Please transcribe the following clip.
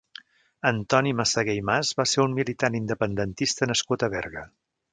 Antoní Massaguer i Mas va ser un militant independentista nascut a Berga.